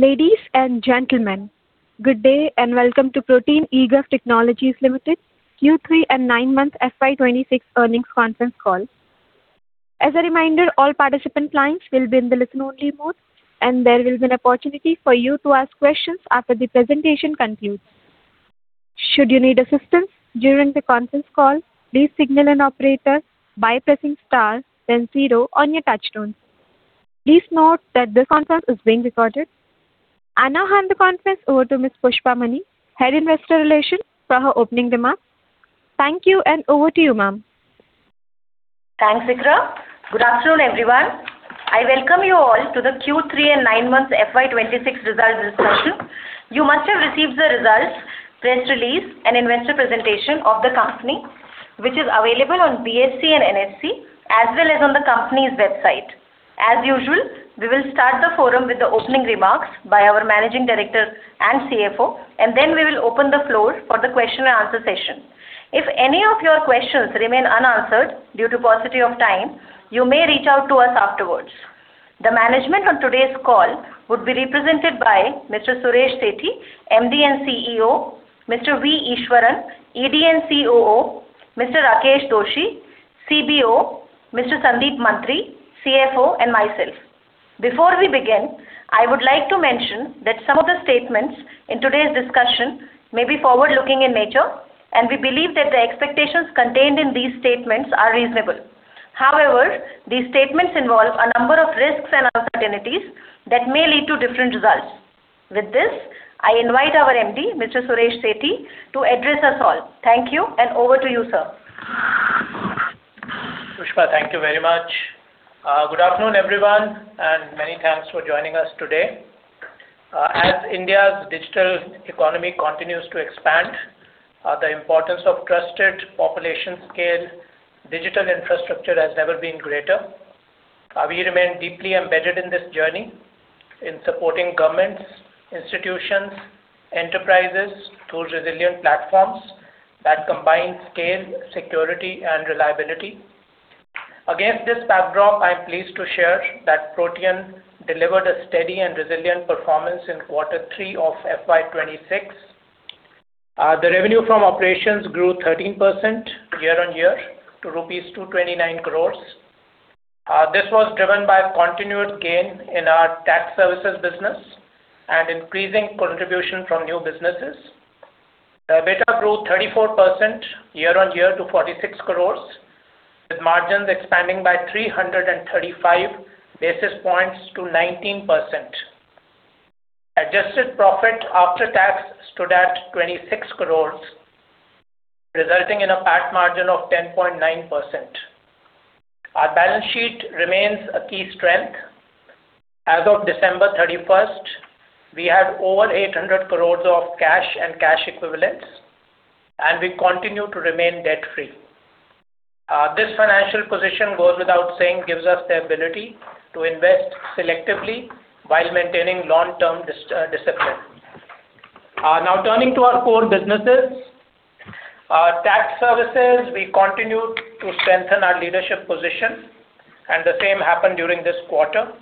Ladies and gentlemen, good day, and welcome to Protean eGov Technologies Limited Q3 and 9-month FY 2026 earnings conference call. As a reminder, all participant lines will be in the listen-only mode, and there will be an opportunity for you to ask questions after the presentation concludes. Should you need assistance during the conference call, please signal an operator by pressing star then zero on your touchtone. Please note that this conference is being recorded. I now hand the conference over to Ms. Pushpa Mani, Head Investor Relations, for her opening remarks. Thank you, and over to you, ma'am. Thanks, Ikra. Good afternoon, everyone. I welcome you all to the Q3 and 9-month FY 2026 results discussion. You must have received the results, press release, and investor presentation of the company, which is available on BSE and NSE, as well as on the company's website. As usual, we will start the forum with the opening remarks by our Managing Director and CFO, and then we will open the floor for the question and answer session. If any of your questions remain unanswered due to paucity of time, you may reach out to us afterwards. The management on today's call would be represented by Mr. Suresh Sethi, MD and CEO, Mr. V. Easwaran, ED and COO, Mr. Rakesh Dosi, CBO, Mr. Sandeep Mantri, CFO, and myself. Before we begin, I would like to mention that some of the statements in today's discussion may be forward-looking in nature, and we believe that the expectations contained in these statements are reasonable. However, these statements involve a number of risks and uncertainties that may lead to different results. With this, I invite our MD, Mr. Suresh Sethi, to address us all. Thank you, and over to you, sir. Pushpa, thank you very much. Good afternoon, everyone, and many thanks for joining us today. As India's digital economy continues to expand, the importance of trusted population-scale digital infrastructure has never been greater. We remain deeply embedded in this journey in supporting governments, institutions, enterprises to resilient platforms that combine scale, security, and reliability. Against this backdrop, I'm pleased to share that Protean delivered a steady and resilient performance in quarter three of FY 2026. The revenue from operations grew 13% year-over-year to rupees 229 crores. This was driven by a continued gain in our tax services business and increasing contribution from new businesses. The EBITDA grew 34% year-over-year to 46 crores, with margins expanding by 335 basis points to 19%. Adjusted profit after tax stood at 26 crore, resulting in a PAT margin of 10.9%. Our balance sheet remains a key strength. As of December 31st, we had over 800 crore of cash and cash equivalents, and we continue to remain debt-free. This financial position, goes without saying, gives us the ability to invest selectively while maintaining long-term discipline. Now turning to our core businesses. Tax services, we continue to strengthen our leadership position, and the same happened during this quarter.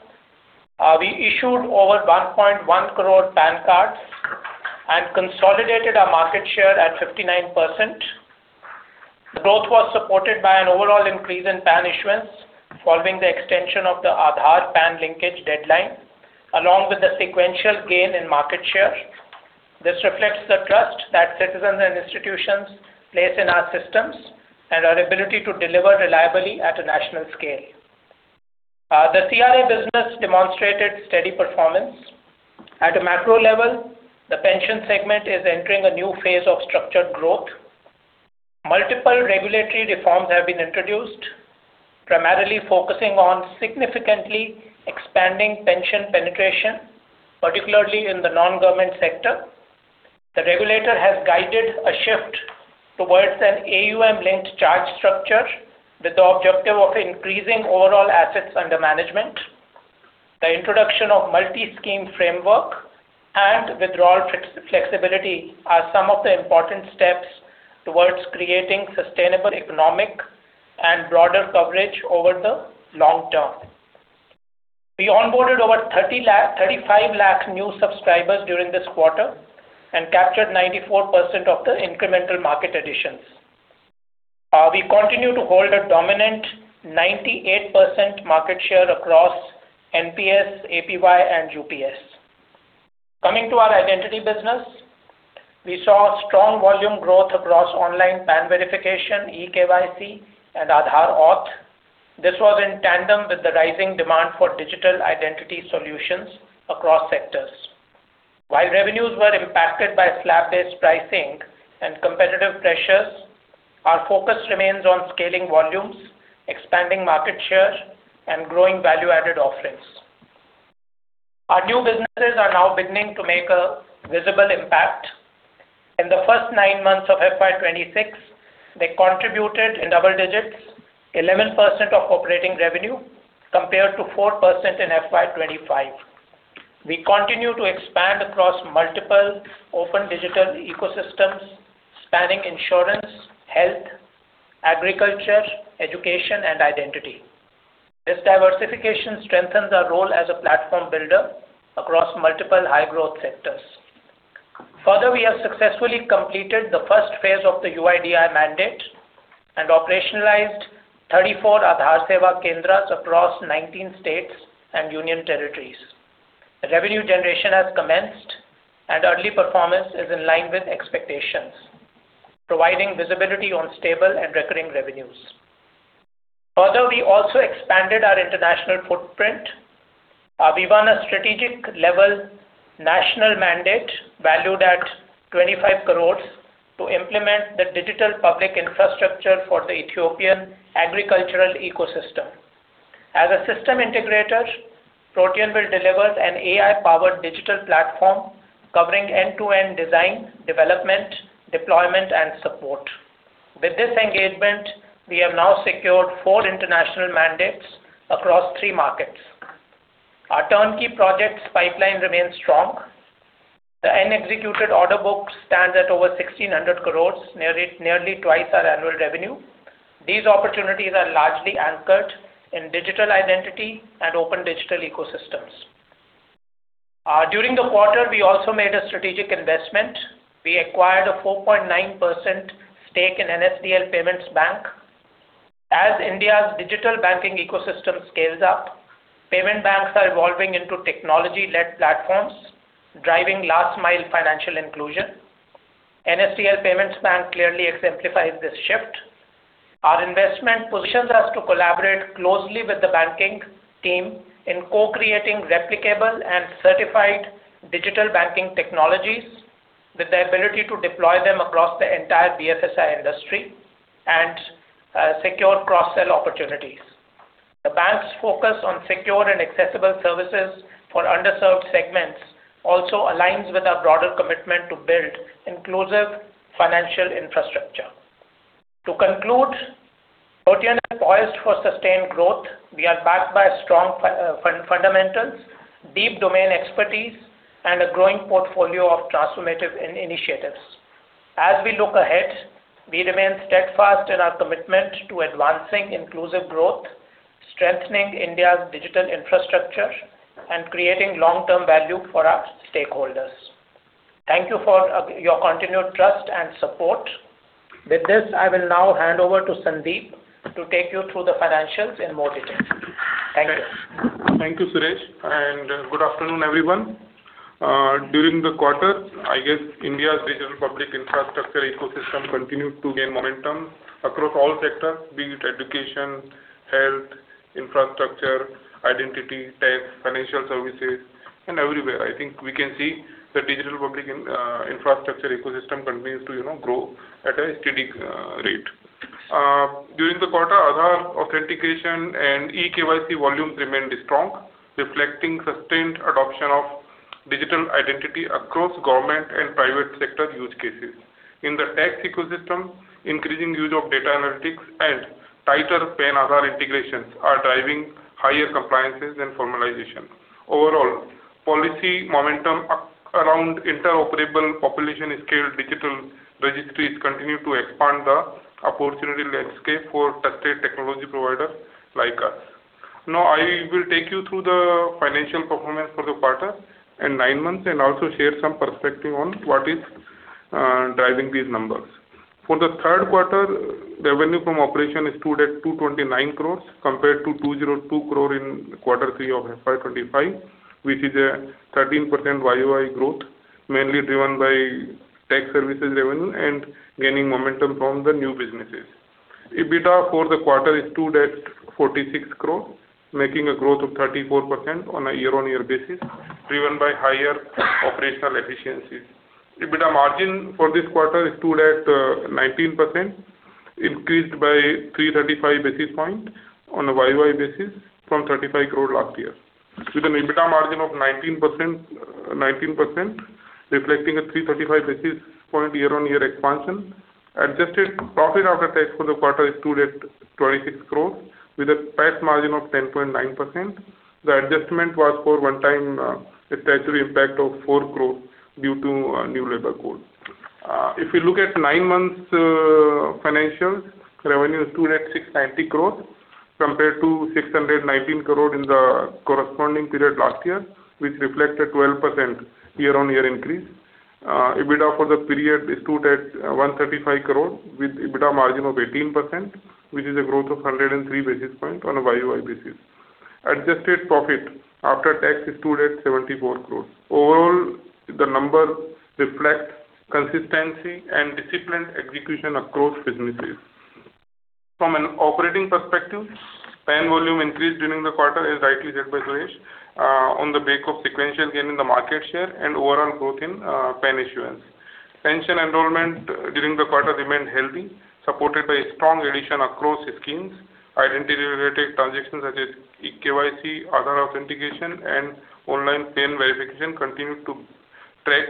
We issued over 1.1 crore PAN cards and consolidated our market share at 59%. The growth was supported by an overall increase in PAN issuance, following the extension of the Aadhaar-PAN linkage deadline, along with the sequential gain in market share. This reflects the trust that citizens and institutions place in our systems and our ability to deliver reliably at a national scale. The CRA business demonstrated steady performance. At a macro level, the pension segment is entering a new phase of structured growth. Multiple regulatory reforms have been introduced, primarily focusing on significantly expanding pension penetration, particularly in the non-government sector. The regulator has guided a shift towards an AUM-linked charge structure with the objective of increasing overall assets under management. The introduction of multi-scheme framework and withdrawal flexibility are some of the important steps towards creating sustainable economic and broader coverage over the long term. We onboarded over 35 lakh new subscribers during this quarter and captured 94% of the incremental market additions. We continue to hold a dominant 98% market share across NPS, APY, and UPS. Coming to our identity business, we saw strong volume growth across online PAN verification, eKYC, and Aadhaar Auth. This was in tandem with the rising demand for digital identity solutions across sectors. While revenues were impacted by slab-based pricing and competitive pressures, our focus remains on scaling volumes, expanding market share, and growing value-added offerings. Our new businesses are now beginning to make a visible impact. In the first nine months of FY 2026, they contributed in double digits, 11% of operating revenue, compared to 4% in FY 2025. We continue to expand across multiple open digital ecosystems, spanning insurance, health, agriculture, education, and identity. This diversification strengthens our role as a platform builder across multiple high-growth sectors. Further, we have successfully completed the first phase of the UIDAI mandate and operationalized 34 Aadhaar Seva Kendras across 19 states and union territories. Revenue generation has commenced, and early performance is in line with expectations, providing visibility on stable and recurring revenues. Further, we also expanded our international footprint. We won a strategic-level national mandate valued at 25 crore to implement the digital public infrastructure for the Ethiopian agricultural ecosystem. As a system integrator, Protean will deliver an AI-powered digital platform covering end-to-end design, development, deployment, and support. With this engagement, we have now secured four international mandates across three markets. Our turnkey projects pipeline remains strong. The unexecuted order book stands at over 1,600 crore, nearly, nearly twice our annual revenue. These opportunities are largely anchored in digital identity and open digital ecosystems. During the quarter, we also made a strategic investment. We acquired a 4.9% stake in NSDL Payments Bank. As India's digital banking ecosystem scales up, payment banks are evolving into technology-led platforms, driving last-mile financial inclusion. NSDL Payments Bank clearly exemplifies this shift. Our investment positions us to collaborate closely with the banking team in co-creating replicable and certified digital banking technologies, with the ability to deploy them across the entire BFSI industry and secure cross-sell opportunities. The bank's focus on secure and accessible services for underserved segments also aligns with our broader commitment to build inclusive financial infrastructure. To conclude, Protean is poised for sustained growth. We are backed by strong fundamentals, deep domain expertise, and a growing portfolio of transformative initiatives. As we look ahead, we remain steadfast in our commitment to advancing inclusive growth, strengthening India's digital infrastructure, and creating long-term value for our stakeholders. Thank you for your continued trust and support. With this, I will now hand over to Sandeep to take you through the financials in more detail. Thank you. Thank you, Suresh, and good afternoon, everyone. During the quarter, I guess India's digital public infrastructure ecosystem continued to gain momentum across all sectors, be it education, health, infrastructure, identity, tax, financial services, and everywhere. I think we can see the digital public infrastructure ecosystem continues to, you know, grow at a steady rate. During the quarter, Aadhaar authentication and eKYC volumes remained strong, reflecting sustained adoption of digital identity across government and private sector use cases. In the tax ecosystem, increasing use of data analytics and tighter PAN-Aadhaar integrations are driving higher compliances and formalization. Overall, policy momentum around interoperable population-scale digital registries continue to expand the opportunity landscape for trusted technology providers like us. Now, I will take you through the financial performance for the quarter and nine months, and also share some perspective on what is driving these numbers. For the third quarter, revenue from operation stood at 229 crore, compared to 202 crore in quarter three of FY 2025, which is a 13% YoY growth, mainly driven by tax services revenue and gaining momentum from the new businesses. EBITDA for the quarter is stood at 46 crore, making a growth of 34% on a year-on-year basis, driven by higher operational efficiencies. EBITDA margin for this quarter is stood at, 19%, increased by 335 basis point on a YoY basis from 35 crore last year. With an EBITDA margin of 19%, 19%, reflecting a 335 basis point year-on-year expansion, adjusted profit after tax for the quarter is stood at 26 crore, with a PAT margin of 10.9%. The adjustment was for one-time, statutory impact of 4 crore due to, new labor code. If you look at nine months financials, revenue stood at 690 crore, compared to 619 crore in the corresponding period last year, which reflected 12% year-on-year increase. EBITDA for the period is stood at 135 crore, with EBITDA margin of 18%, which is a growth of 103 basis points on a YoY basis. Adjusted profit after tax is stood at 74 crore. Overall, the number reflect consistency and disciplined execution across businesses. From an operating perspective, PAN volume increase during the quarter is rightly said by Suresh, on the back of sequential gain in the market share and overall growth in PAN issuance. Pension enrollment during the quarter remained healthy, supported by strong addition across schemes. Identity-related transactions such as eKYC, Aadhaar authentication, and online PAN verification continued to track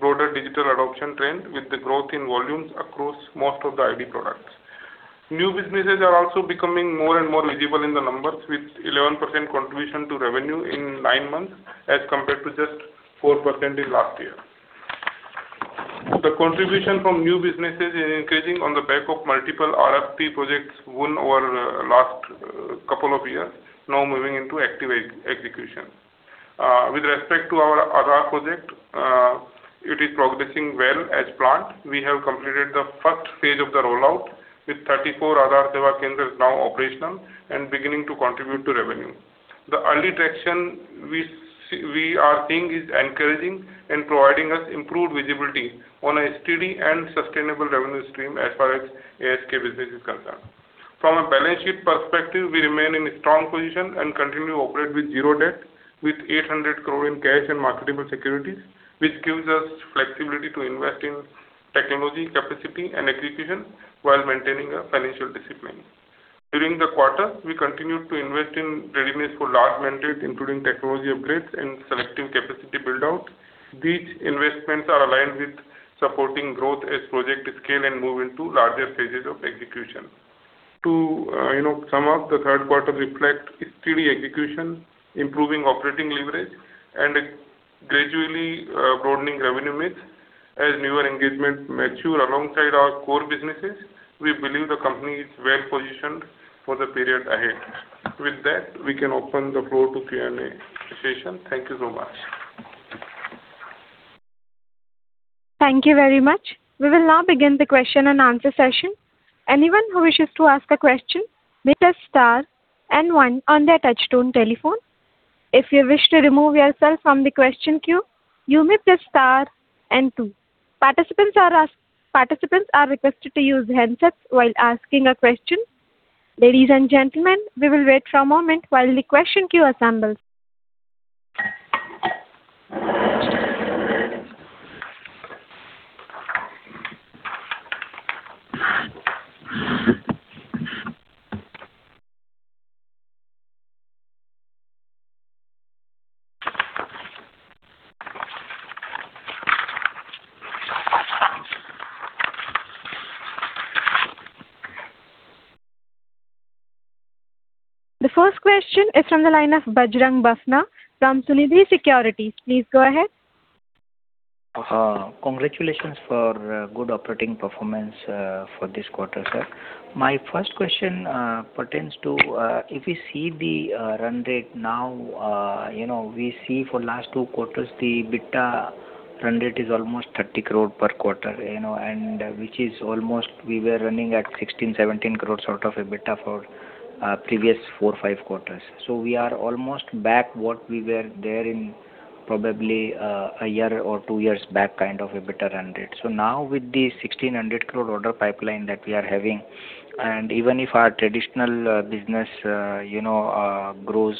broader digital adoption trend, with the growth in volumes across most of the ID products. New businesses are also becoming more and more visible in the numbers, with 11% contribution to revenue in nine months, as compared to just 4% in last year. The contribution from new businesses is increasing on the back of multiple RFP projects won over the last couple of years, now moving into active execution. With respect to our Aadhaar project, it is progressing well as planned. We have completed the first phase of the rollout, with 34 Aadhaar Seva Kendras now operational and beginning to contribute to revenue. The early traction we are seeing is encouraging and providing us improved visibility on a steady and sustainable revenue stream as far as ASK business is concerned. From a balance sheet perspective, we remain in a strong position and continue to operate with zero debt, with 800 crore in cash and marketable securities, which gives us flexibility to invest in technology, capacity and acquisition while maintaining a financial discipline. During the quarter, we continued to invest in readiness for large mandates, including technology upgrades and selective capacity build-out. These investments are aligned with supporting growth as projects scale and move into larger phases of execution. To, you know, sum up, the third quarter reflect steady execution, improving operating leverage, and a gradually broadening revenue mix. As newer engagements mature alongside our core businesses, we believe the company is well positioned for the period ahead. With that, we can open the floor to Q&A session. Thank you so much. Thank you very much. We will now begin the question and answer session. Anyone who wishes to ask a question, press star and one on their touchtone telephone. If you wish to remove yourself from the question queue, you may press star and two. Participants are requested to use handsets while asking a question. Ladies and gentlemen, we will wait for a moment while the question queue assembles. The first question is from the line of Bajrang Bafna from Sunidhi Securities. Please go ahead. Congratulations for good operating performance for this quarter, sir. My first question pertains to if you see the run rate now, you know, we see for last two quarters, the EBITDA run rate is almost 30 crore per quarter, you know, and which is almost we were running at 16, 17 crores of EBITDA for previous four to five quarters. So we are almost back what we were there in probably a year or two years back, kind of EBITDA run rate. So now with the 1,600 crore order pipeline that we are having, and even if our traditional business, you know, grows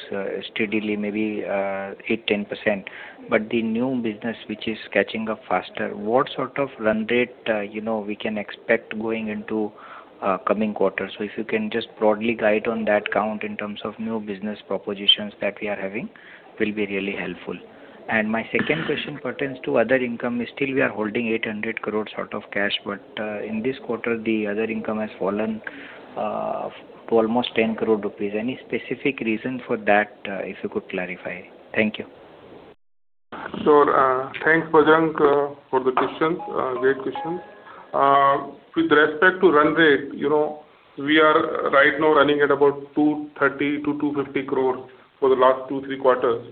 steadily, maybe 8%-10%, but the new business, which is catching up faster, what sort of run rate, you know, we can expect going into coming quarters? So if you can just broadly guide on that count in terms of new business propositions that we are having, will be really helpful. My second question pertains to other income. Still, we are holding 800 crore sort of cash, but, in this quarter, the other income has fallen to almost 10 crore rupees. Any specific reason for that, if you could clarify? Thank you. So, thanks, Bajrang, for the questions. Great questions. With respect to run rate, you know, we are right now running at about 230 crore-250 crore for the last two, three quarters.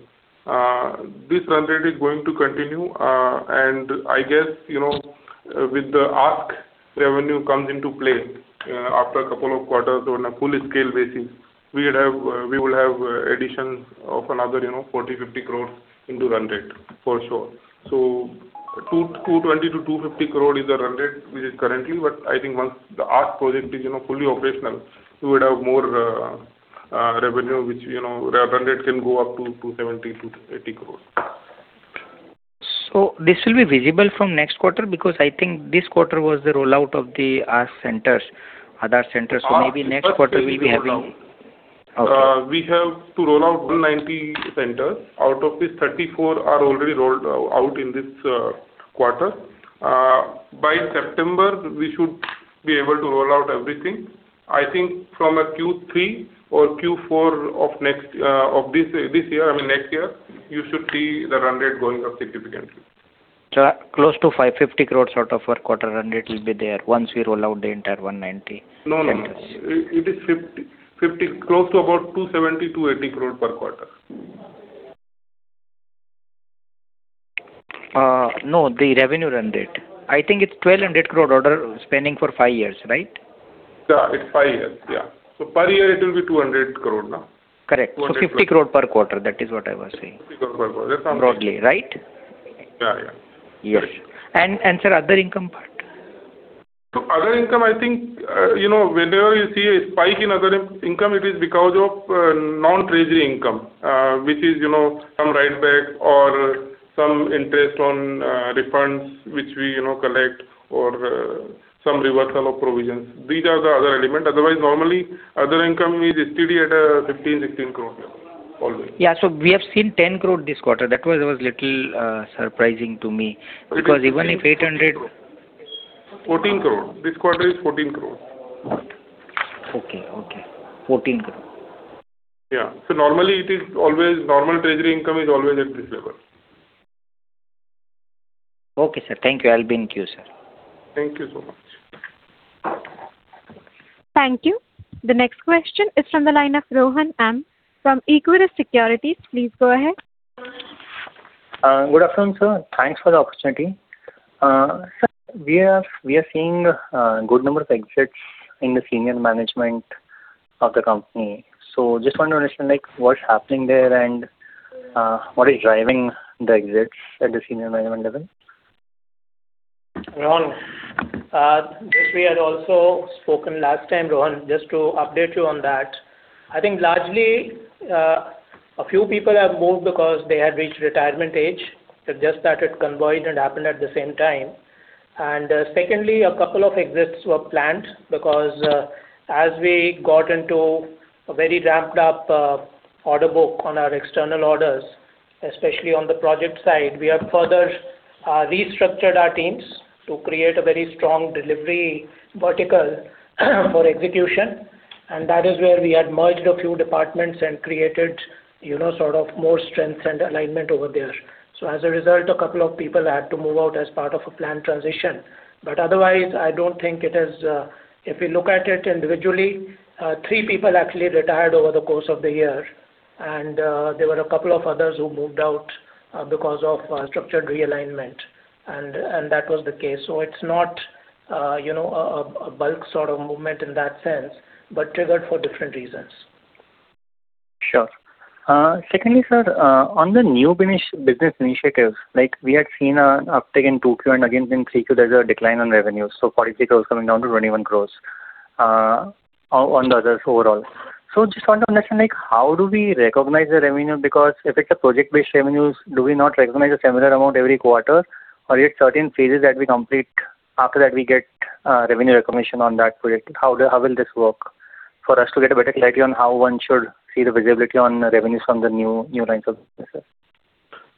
This run rate is going to continue, and I guess, you know, with the ASK revenue comes into play, after a couple of quarters on a full scale basis, we would have, we will have, additions of another, you know, 40 crore-50 crore into run rate, for sure. So 220 crore-250 crore is the run rate, which is currently, but I think once the ASK project is, you know, fully operational, we would have more, revenue, which, you know, the run rate can go up to 270 crore-280 crore. This will be visible from next quarter? Because I think this quarter was the rollout of the ASK centers, Aadhaar centers. Maybe next quarter we'll be having- We have to roll out 190 centers. Out of this, 34 are already rolled out in this quarter. By September, we should be able to roll out everything. I think from a Q3 or Q4 of next of this year, I mean, next year, you should see the run rate going up significantly. So close to 550 crore out of our quarter run rate will be there once we roll out the entire 190. No, no. It is 50-50, close to about 270 crore-280 crore per quarter. No, the revenue run rate. I think it's 1,200 crore order spanning for five years, right? Yeah, it's five years. Yeah. So per year it will be 200 crore, no? Correct. INR 200 crore. 50 crore per quarter, that is what I was saying. 50 crore per quarter. Broadly, right? Yeah, yeah. Yes. And sir, other income part? So other income, I think, you know, whenever you see a spike in other income, it is because of non-treasury income, which is, you know, some write back or some interest on refunds, which we, you know, collect or some reversal of provisions. These are the other elements. Otherwise, normally, other income is still at 15 crore-16 crore always. Yeah, so we have seen 10 crore this quarter. That was little surprising to me, because even if 800- 14 crore. This quarter is 14 crore. Okay, okay. 14 crore. Yeah. So normally it is always normal treasury income is always at this level. Okay, sir. Thank you. I'll be in queue, sir. Thank you so much. Thank you. The next question is from the line of Rohan M. from Equirus Securities. Please go ahead. Good afternoon, sir. Thanks for the opportunity. Sir, we are seeing a good number of exits in the senior management of the company. So just want to understand, like, what's happening there and what is driving the exits at the senior management level? Rohan, this we had also spoken last time, Rohan, just to update you on that. I think largely, a few people have moved because they had reached retirement age. It just that it coincided and happened at the same time. And secondly, a couple of exits were planned because, as we got into a very ramped up, order book on our external orders, especially on the project side, we have further, restructured our teams to create a very strong delivery vertical for execution. And that is where we had merged a few departments and created, you know, sort of more strength and alignment over there. So as a result, a couple of people had to move out as part of a planned transition. But otherwise, I don't think it is. If you look at it individually, three people actually retired over the course of the year, and there were a couple of others who moved out because of structured realignment, and that was the case. So it's not, you know, a bulk sort of movement in that sense, but triggered for different reasons. Sure. Secondly, sir, on the new business initiatives, like we had seen an uptick in 2Q and again in 3Q, there's a decline on revenue. So 43 crore coming down to 21 crore, on the others overall. So just want to understand, like, how do we recognize the revenue? Because if it's a project-based revenues, do we not recognize a similar amount every quarter, or there are certain phases that we complete, after that, we get revenue recognition on that project? How will this work for us to get a better clarity on how one should see the visibility on the revenues from the new lines of business, sir?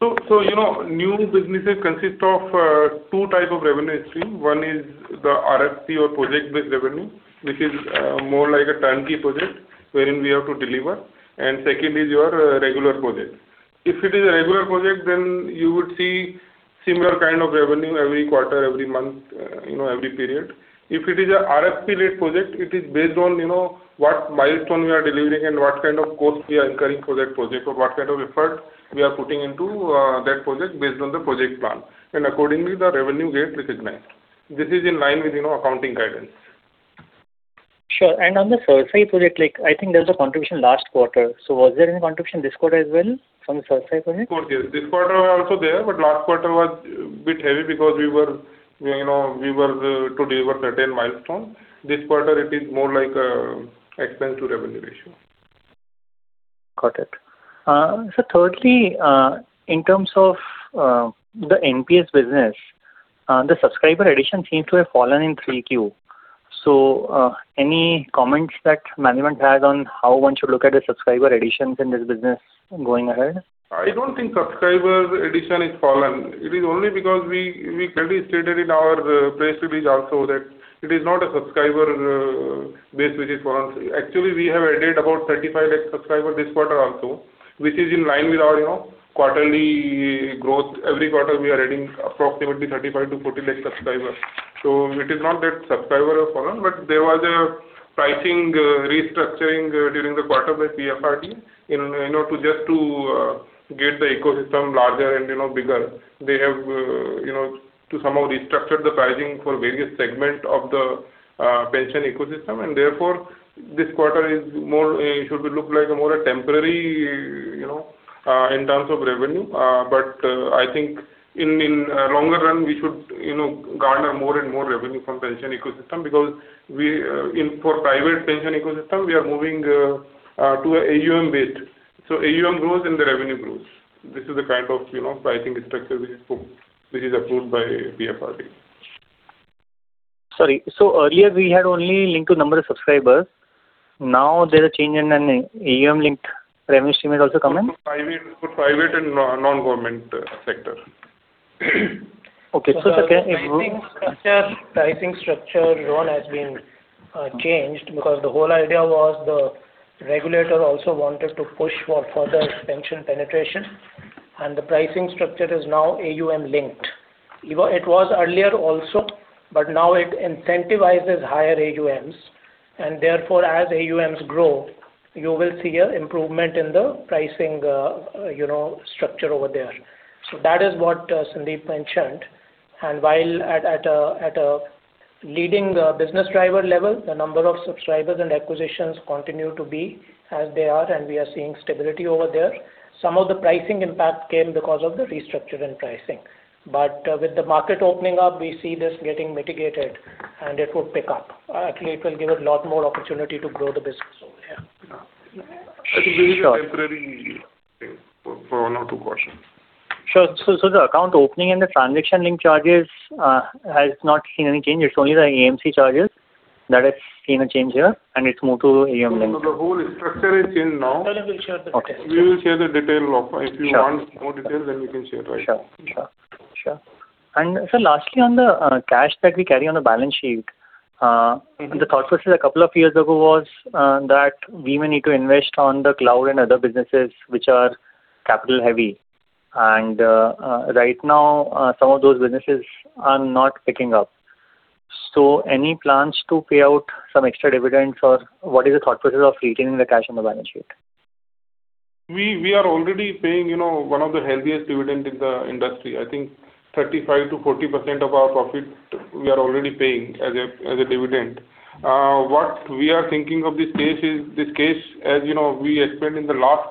You know, new businesses consist of two type of revenue stream. One is the RFP or project-based revenue, which is more like a turnkey project wherein we have to deliver, and second is your regular project. If it is a regular project, then you would see similar kind of revenue every quarter, every month, you know, every period. If it is a RFP-led project, it is based on, you know, what milestone we are delivering and what kind of cost we are incurring for that project, or what kind of effort we are putting into that project based on the project plan, and accordingly, the revenue gets recognized. This is in line with, you know, accounting guidance. Sure. And on the CERSAI project, like, I think there's a contribution last quarter. So was there any contribution this quarter as well from the CERSAI project? Of course, yes. This quarter also there, but last quarter was a bit heavy because we were, you know, we were to deliver certain milestones. This quarter, it is more like a expense-to-revenue ratio. Got it. Thirdly, in terms of the NPS business, the subscriber addition seems to have fallen in Q3. Any comments that management has on how one should look at the subscriber additions in this business going ahead? I don't think subscriber addition is fallen. It is only because we clearly stated in our press release also that it is not a subscriber base which is fallen. Actually, we have added about 35 lakh subscribers this quarter also, which is in line with our, you know, quarterly growth. Every quarter, we are adding approximately 35 lakh-40 lakh subscribers. So it is not that subscribers have fallen, but there was a pricing restructuring during the quarter by PFRDA, in order to just to get the ecosystem larger and, you know, bigger. They have, you know, to somehow restructure the pricing for various segment of the pension ecosystem, and therefore, this quarter is more should be looked like a more a temporary, you know, in terms of revenue. But I think in the longer run, we should, you know, garner more and more revenue from the pension ecosystem, because in the private pension ecosystem, we are moving to AUM-based. So AUM grows, and the revenue grows. This is the kind of, you know, pricing structure which is approved by PFRDA. Sorry. So earlier, we had only linked to number of subscribers. Now there is a change in an AUM link. Revenue stream is also coming? For private, for private and non-government sector. Okay. Pricing structure, pricing structure, Rohan, has been changed because the whole idea was the regulator also wanted to push for further expansion penetration, and the pricing structure is now AUM-linked. It was earlier also, but now it incentivizes higher AUMs, and therefore, as AUMs grow, you will see an improvement in the pricing, you know, structure over there. So that is what Sandeep mentioned. And while at the leading business driver level, the number of subscribers and acquisitions continue to be as they are, and we are seeing stability over there. Some of the pricing impact came because of the restructure in pricing. But with the market opening up, we see this getting mitigated and it will pick up. Actually, it will give a lot more opportunity to grow the business over here. Yeah. It is a very temporary thing for one or two questions. Sure. So, so the account opening and the transaction link charges has not seen any change. It's only the AMC charges that has seen a change here, and it's moved to AUM link. No, no, the whole structure is changed now. We'll share the detail. Okay. We will share the detail. If you want more details, then we can share it with you. Sure. Sure. Sure. And so lastly, on the cash that we carry on the balance sheet, the thought process a couple of years ago was that we may need to invest on the cloud and other businesses which are capital heavy, and right now, some of those businesses are not picking up. So any plans to pay out some extra dividends, or what is the thought process of retaining the cash on the balance sheet? We are already paying, you know, one of the healthiest dividend in the industry. I think 35%-40% of our profit, we are already paying as a dividend. What we are thinking of in this case is, as you know, we explained in the last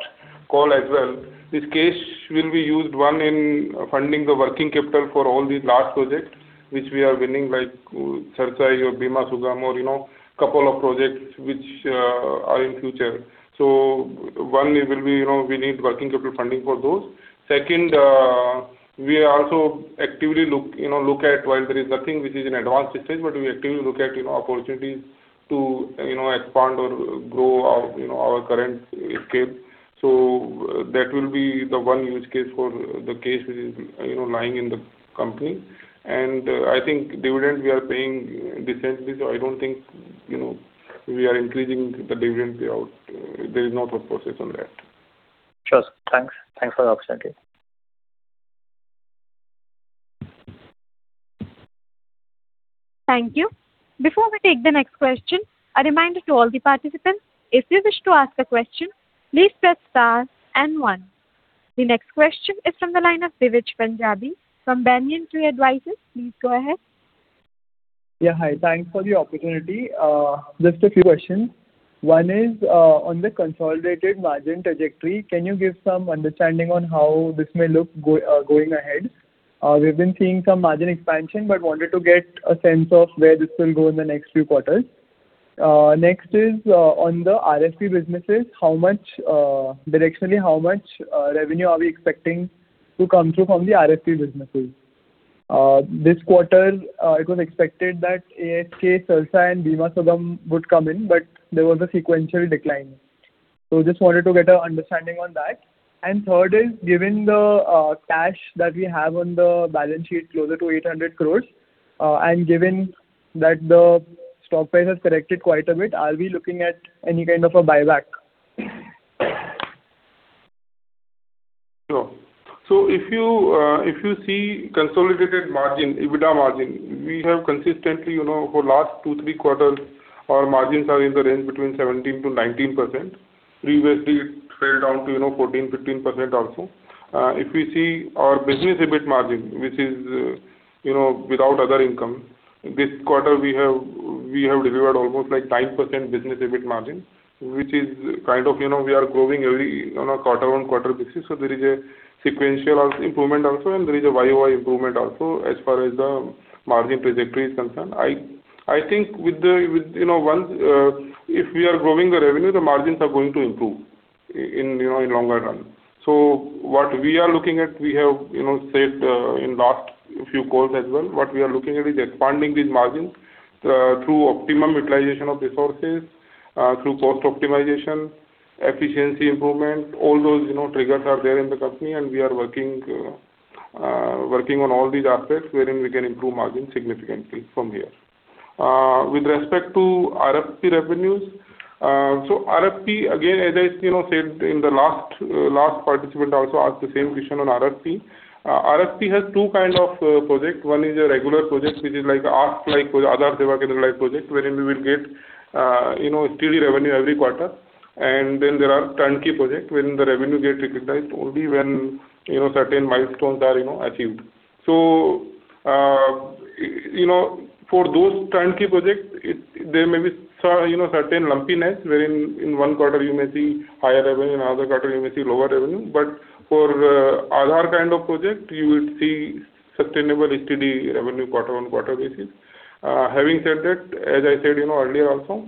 call as well, this case will be used, one, in funding the working capital for all these large projects, which we are winning, like CERSAI or Bima Sugam, or, you know, couple of projects which are in future. So one, it will be, you know, we need working capital funding for those. Second, we are also actively look at while there is nothing which is in advanced stage, but we actively look at, you know, opportunities to, you know, expand or grow our, you know, our current scale. So that will be the one use case for the case which is, you know, lying in the company. And, I think dividend we are paying decently, so I don't think, you know, we are increasing the dividend payout. There is no thought process on that. Sure. Thanks. Thanks for the opportunity. Thank you. Before we take the next question, a reminder to all the participants, if you wish to ask a question, please press star and one. The next question is from the line of Divij Punjabi from Banyan Tree Advisors. Please go ahead. Yeah, hi. Thanks for the opportunity. Just a few questions. One is, on the consolidated margin trajectory, can you give some understanding on how this may look going ahead? We've been seeing some margin expansion, but wanted to get a sense of where this will go in the next few quarters. Next is, on the RFP businesses, how much, directionally, how much, revenue are we expecting to come through from the RFP businesses? This quarter, it was expected that ASK, CERSAI and Bima Sugam would come in, but there was a sequential decline. So just wanted to get an understanding on that. And third is, given the cash that we have on the balance sheet, closer to 800 crore, and given that the stock price has corrected quite a bit, are we looking at any kind of a buyback? Sure. So if you, if you see consolidated margin, EBITDA margin, we have consistently, you know, for last two, three quarters, our margins are in the range between 17%-19%. Previously, it fell down to, you know, 14%, 15% also. If we see our business EBIT margin, which is, you know, without other income, this quarter, we have, we have delivered almost like 9% business EBIT margin, which is kind of, you know, we are growing every, on a quarter-on-quarter basis. So there is a sequential also improvement also, and there is a YoY improvement also, as far as the margin trajectory is concerned. I, I think with the, with, you know, once, if we are growing the revenue, the margins are going to improve in, you know, in longer run. So what we are looking at, we have, you know, said in last few calls as well, what we are looking at is expanding these margins through optimum utilization of resources through cost optimization, efficiency improvement, all those, you know, triggers are there in the company, and we are working working on all these aspects wherein we can improve margins significantly from here. With respect to RFP revenues, so RFP, again, as I, you know, said in the last last participant also asked the same question on RFP. RFP has two kind of project. One is a regular project, which is like ASK, like Aadhaar Seva Kendra-like project, wherein we will get, you know, steady revenue every quarter. And then there are turnkey project, when the revenue get recognized only when, you know, certain milestones are, you know, achieved. So, you know, for those turnkey projects, there may be, you know, certain lumpiness, wherein in one quarter you may see higher revenue, in other quarter you may see lower revenue. But for Aadhaar kind of project, you would see sustainable, steady revenue quarter-on-quarter basis. Having said that, as I said, you know, earlier also,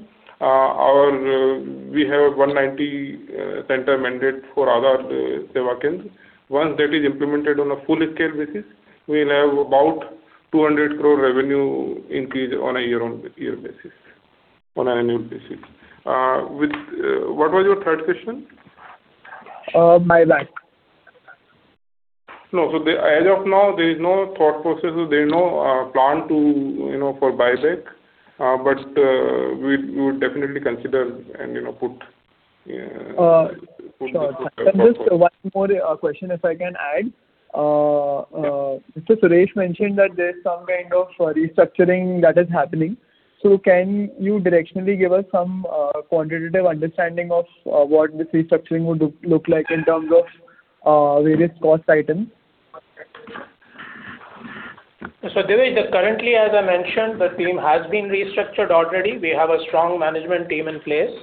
we have 190 center mandate for Aadhaar Seva Kendras. Once that is implemented on a full scale basis, we will have about 200 crore revenue increase on a year-on-year basis, on an annual basis. With, what was your third question? Uh, buyback. No. So, as of now, there is no thought process. There is no plan to, you know, for buyback, but we would definitely consider and, you know, put the- Sure. And just one more question, if I can add. Mr. Suresh mentioned that there's some kind of a restructuring that is happening. So can you directionally give us some quantitative understanding of what this restructuring would look like in terms of various cost items? So Divij, currently, as I mentioned, the team has been restructured already. We have a strong management team in place,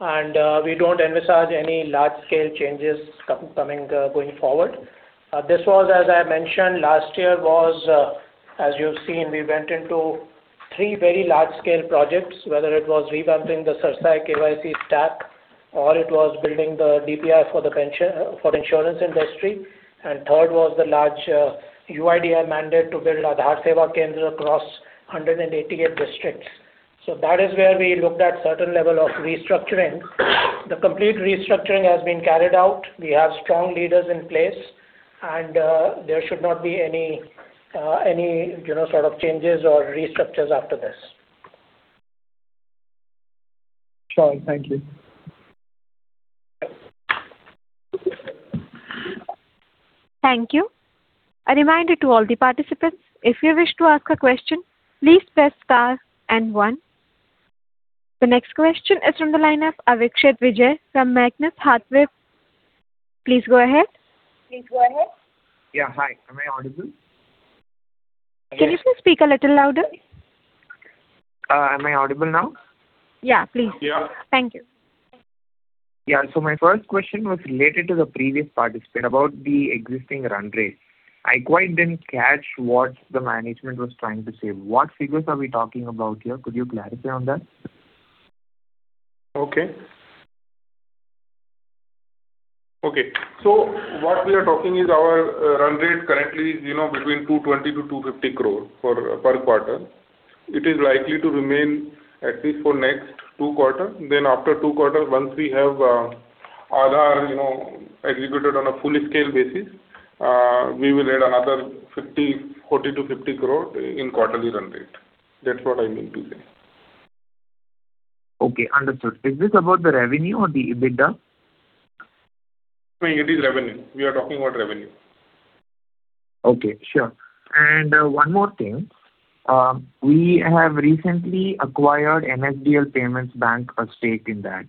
and we don't envisage any large-scale changes coming, going forward. This was, as I mentioned, last year was, as you've seen, we went into three very large-scale projects, whether it was revamping the CERSAI KYC stack, or it was building the DPI for the insurance industry. And third was the large UIDAI mandate to build Aadhaar Seva Kendras across 188 districts. So that is where we looked at certain level of restructuring. The complete restructuring has been carried out. We have strong leaders in place, and there should not be any, any, you know, sort of changes or restructures after this. Sure. Thank you. Thank you. A reminder to all the participants, if you wish to ask a question, please press star and one. The next question is from the line of Avikshit Vijay from Magnus Hardware. Please go ahead. Please go ahead. Yeah. Hi, am I audible? Can you please speak a little louder? Am I audible now? Yeah, please. Yeah. Thank you. Yeah. So my first question was related to the previous participant about the existing run rate. I quite didn't catch what the management was trying to say. What figures are we talking about here? Could you clarify on that? Okay. Okay. So what we are talking is our run rate currently is, you know, between 220 crore-250 crore per quarter. It is likely to remain at least for next two quarter. Then after two quarter, once we have Aadhaar, you know, executed on a full-scale basis, we will add another 40 crore-50 crore in quarterly run rate. That's what I mean to say. Okay, understood. Is this about the revenue or the EBITDA? No, it is revenue. We are talking about revenue. Okay, sure. And, one more thing. We have recently acquired NSDL Payments Bank, a stake in that.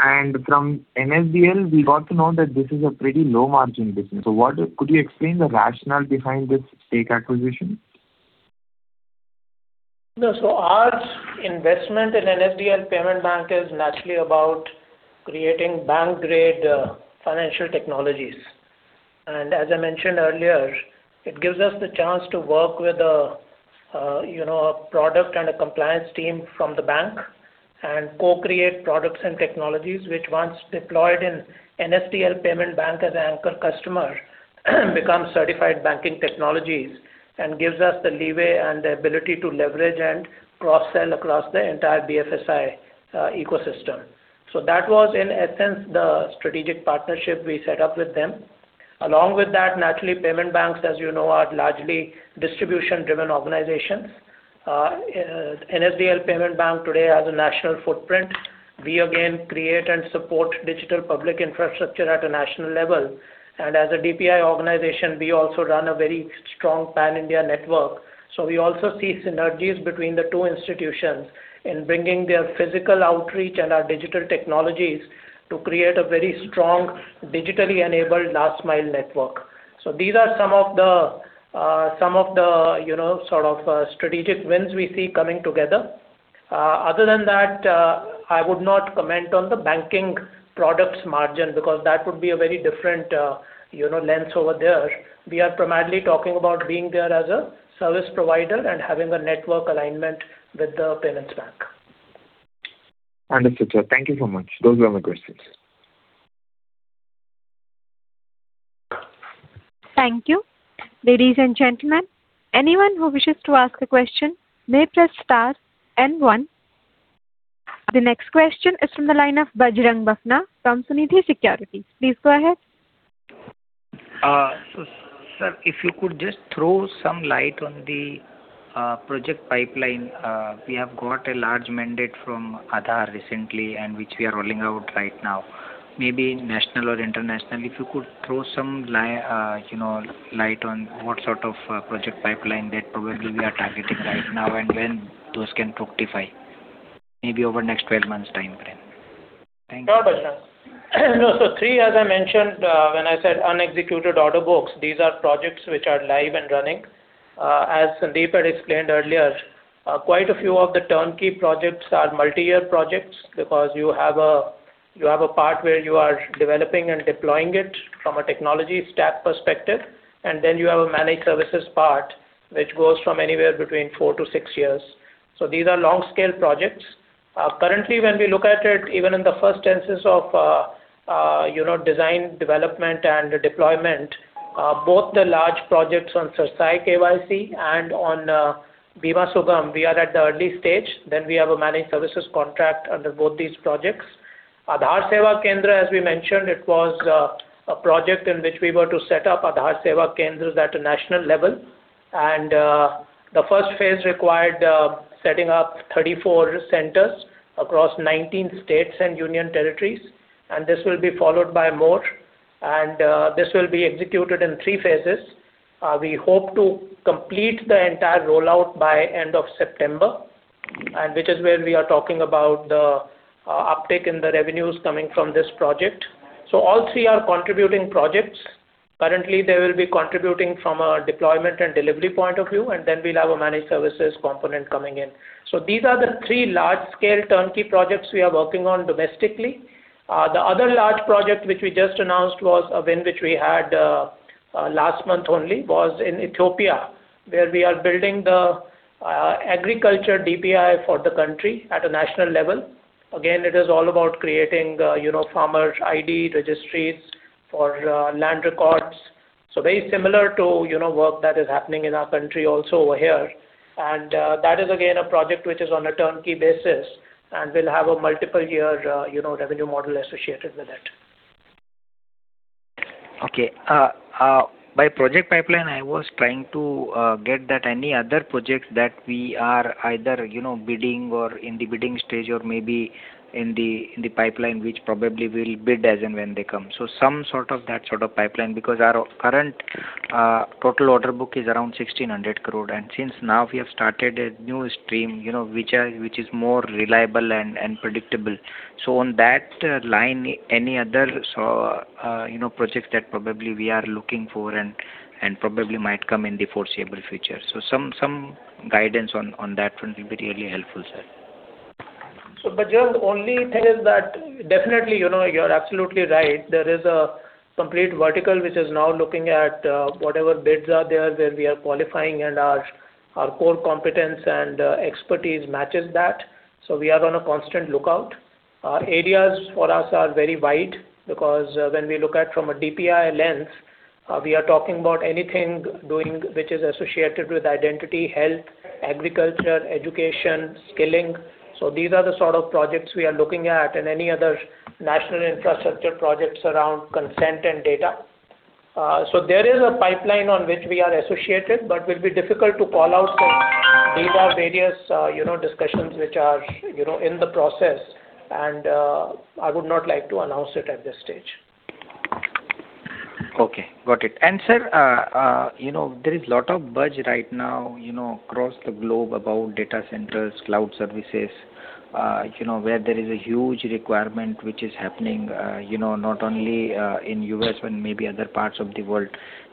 And from NSDL, we got to know that this is a pretty low-margin business. So what—could you explain the rationale behind this stake acquisition? No, so our investment in NSDL Payments Bank is naturally about creating bank-grade financial technologies. And as I mentioned earlier, it gives us the chance to work with a you know a product and a compliance team from the bank and co-create products and technologies, which once deployed in NSDL Payments Bank as an anchor customer, becomes certified banking technologies and gives us the leeway and the ability to leverage and cross-sell across the entire BFSI ecosystem. So that was, in essence, the strategic partnership we set up with them. Along with that, naturally, payment banks, as you know, are largely distribution-driven organizations. NSDL Payments Bank today has a national footprint. We again create and support digital public infrastructure at a national level, and as a DPI organization, we also run a very strong pan-India network. So we also see synergies between the two institutions in bringing their physical outreach and our digital technologies to create a very strong, digitally enabled last mile network. So these are some of the, you know, sort of, strategic wins we see coming together. Other than that, I would not comment on the banking products margin, because that would be a very different, you know, lens over there. We are primarily talking about being there as a service provider and having a network alignment with the payments bank. Understood, sir. Thank you so much. Those were my questions. Thank you. Ladies and gentlemen, anyone who wishes to ask a question may press star and one. The next question is from the line of Bajrang Bafna from Sunidhi Securities. Please go ahead. So, sir, if you could just throw some light on the project pipeline. We have got a large mandate from Aadhaar recently, and which we are rolling out right now, maybe national or international. If you could throw some light on what sort of project pipeline that probably we are targeting right now and when those can fructify, maybe over the next 12 months time frame. Thank you. Sure, Bajrang. No, so three, as I mentioned, when I said unexecuted order books, these are projects which are live and running. As Sandeep had explained earlier, quite a few of the turnkey projects are multi-year projects because you have a, you have a part where you are developing and deploying it from a technology stack perspective, and then you have a managed services part, which goes from anywhere between four to six years. So these are long-scale projects. Currently, when we look at it, even in the first instances of, you know, design, development and deployment, both the large projects on CERSAI KYC and on, Bima Sugam, we are at the early stage. Then we have a managed services contract under both these projects. Aadhaar Seva Kendra, as we mentioned, it was a project in which we were to set up Aadhaar Seva Kendras at a national level. The first phase required setting up 34 centers across 19 states and union territories, and this will be followed by more, and this will be executed in three phases. We hope to complete the entire rollout by end of September, and which is where we are talking about the uptick in the revenues coming from this project. All three are contributing projects. Currently, they will be contributing from a deployment and delivery point of view, and then we'll have a managed services component coming in. These are the three large-scale turnkey projects we are working on domestically. The other large project, which we just announced, was a win which we had last month only, was in Ethiopia, where we are building the agriculture DPI for the country at a national level. Again, it is all about creating the, you know, farmer ID registries for land records. So very similar to, you know, work that is happening in our country also over here, and that is again, a project which is on a turnkey basis, and we'll have a multiple year, you know, revenue model associated with it. Okay. By project pipeline, I was trying to get that any other projects that we are either, you know, bidding or in the bidding stage or maybe in the pipeline, which probably we'll bid as and when they come. So some sort of that sort of pipeline, because our current total order book is around 1,600 crore. And since now we have started a new stream, you know, which are, which is more reliable and predictable. So on that line, any other, so, you know, projects that probably we are looking for and probably might come in the foreseeable future. So some guidance on that front will be really helpful, sir. So Bajrang, the only thing is that definitely, you know, you're absolutely right. There is a complete vertical, which is now looking at whatever bids are there, where we are qualifying and our core competence and expertise matches that, so we are on a constant lookout. Areas for us are very wide because when we look at from a DPI lens, we are talking about anything doing—which is associated with identity, health, agriculture, education, skilling. So these are the sort of projects we are looking at and any other national infrastructure projects around consent and data. So there is a pipeline on which we are associated, but will be difficult to call out, because these are various, you know, discussions which are, you know, in the process, and I would not like to announce it at this stage. Okay, got it. And, sir, you know, there is a lot of buzz right now, you know, across the globe about data centers, cloud services, you know, where there is a huge requirement which is happening, you know, not only, in U.S., but maybe other parts of the world.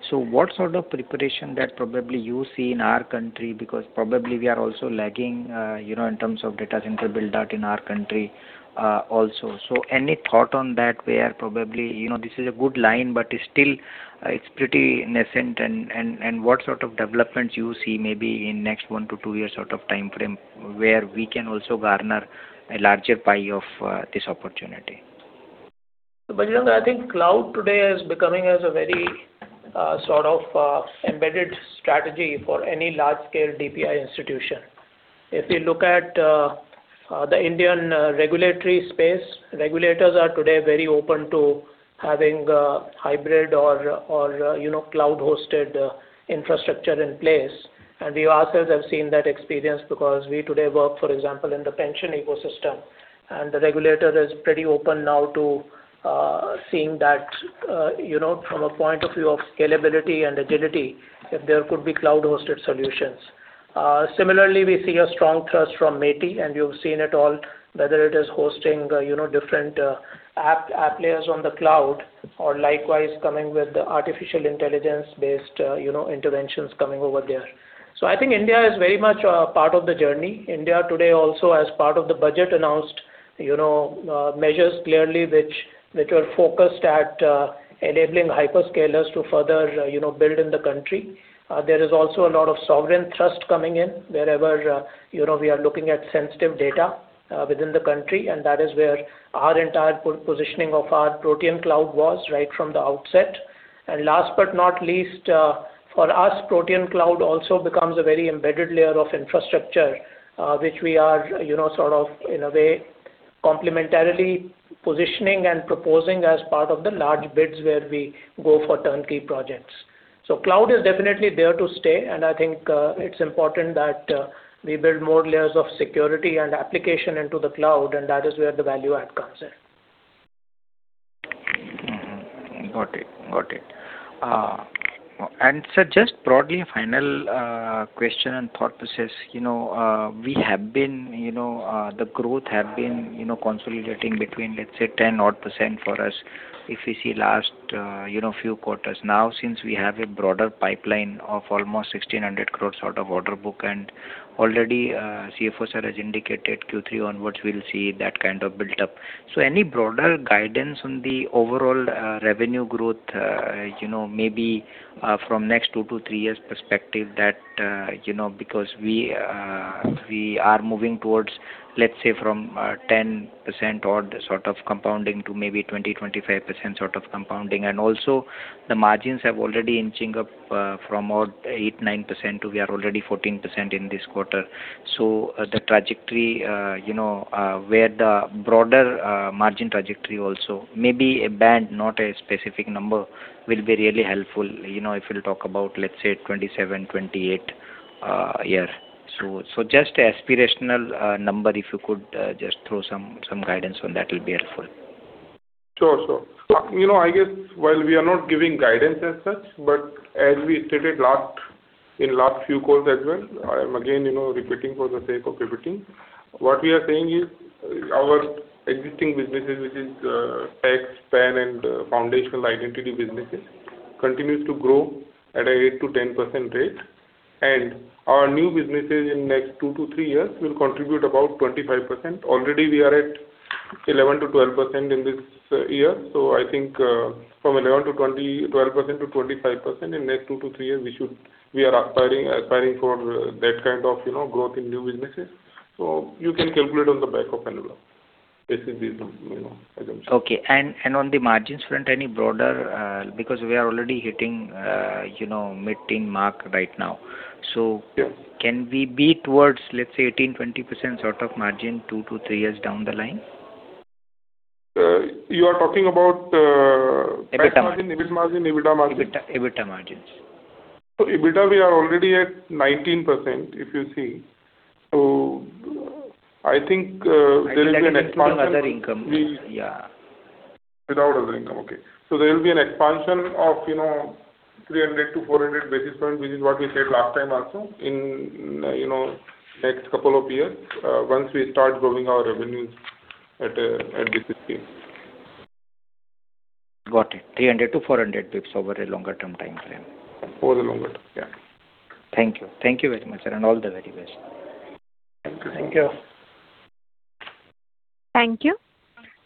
So what sort of preparation that probably you see in our country? Because probably we are also lagging, you know, in terms of data center build out in our country, also. So any thought on that, where probably, you know, this is a good line, but still, it's pretty nascent, and, and, and what sort of developments you see maybe in next one to two years sort of time frame, where we can also garner a larger pie of, this opportunity? So, Bajrang, I think cloud today is becoming as a very, sort of, embedded strategy for any large-scale DPI institution. If you look at the Indian regulatory space, regulators are today very open to having a hybrid or, you know, cloud-hosted infrastructure in place. And we ourselves have seen that experience because we today work, for example, in the pension ecosystem, and the regulator is pretty open now to seeing that, you know, from a point of view of scalability and agility, if there could be cloud-hosted solutions. Similarly, we see a strong trust from MeitY, and you've seen it all, whether it is hosting, you know, different app layers on the cloud, or likewise coming with the artificial intelligence-based, you know, interventions coming over there. So I think India is very much a part of the journey. India today also, as part of the budget, announced, you know, measures clearly which were focused at enabling hyperscalers to further, you know, build in the country. There is also a lot of sovereign trust coming in wherever, you know, we are looking at sensitive data within the country, and that is where our entire positioning of our Protean Cloud was right from the outset. And last but not least, for us, Protean Cloud also becomes a very embedded layer of infrastructure which we are, you know, sort of, in a way, complementarily positioning and proposing as part of the large bids where we go for turnkey projects. So cloud is definitely there to stay, and I think, it's important that we build more layers of security and application into the cloud, and that is where the value add comes in. Mm-hmm. Got it. Got it. And sir, just broadly, final question and thought is just, you know, we have been, you know, the growth have been, you know, consolidating between, let's say, 10-odd% for us, if we see last, you know, few quarters. Now, since we have a broader pipeline of almost 1,600 crore sort of order book, and already, CFO sir has indicated Q3 onwards, we'll see that kind of build-up. So any broader guidance on the overall, revenue growth, you know, maybe, from next two to three years perspective that, you know, because we, we are moving towards, let's say, from, 10% odd sort of compounding to maybe 20%-25% sort of compounding. Also, the margins have already inching up, from about 8-9% to we are already 14% in this quarter. So, the trajectory, you know, where the broader margin trajectory also, maybe a band, not a specific number, will be really helpful. You know, if you'll talk about, let's say, 27%-28%, yeah. So, so just aspirational, number, if you could, just throw some, some guidance on that will be helpful. Sure. Sure. You know, I guess while we are not giving guidance as such, but as we stated last, in last few calls as well, I'm again, you know, repeating for the sake of repeating. What we are saying is, our existing businesses, which is, tax, PAN and, foundational identity businesses, continues to grow at a 8%-10% rate. And our new businesses in next two to three years will contribute about 25%. Already, we are at 11%-12% in this year. So I think, from 11%-20%, 12%-25% in next two to three years, we should—we are aspiring, aspiring for that kind of, you know, growth in new businesses. So you can calculate on the back of envelope. This is the, you know, assumption. Okay. And on the margins front, any broader, because we are already hitting, you know, mid-teen mark right now. So- Yeah. Can we be towards, let's say, 18%-20% sort of margin, two to three years down the line? You are talking about- EBITA. Profit margin, EBIT margin, EBITDA margin? EBITDA, EBITDA margins. So EBITDA, we are already at 19%, if you see. So I think, there will be an expansion- Including other income. We- Yeah. Without other income, okay. So there will be an expansion of, you know, 300-400 basis points, which is what we said last time also, in, you know, next couple of years, once we start growing our revenues at this pace. Got it. 300-400 basis points over a longer term timeframe. Over the longer term, yeah. Thank you. Thank you very much, sir, and all the very best. Thank you. Thank you. Thank you.